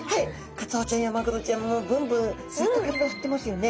カツオちゃんやマグロちゃんもブンブンずっと体振ってますよね。